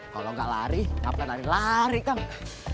kalau gak lari ngapain lari lari kang